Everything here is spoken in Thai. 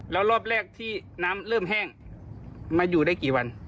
แล้วรอบแรกที่น้ำเริ่มแห้งมาอยู่ได้กี่วัน